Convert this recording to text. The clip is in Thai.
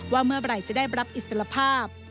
ว่าเมื่อไหร่จะได้รับอิสระภาพ